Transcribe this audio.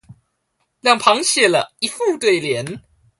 兩旁寫了一副對聯